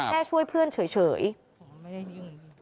แค่ช่วยเพื่อนเฉย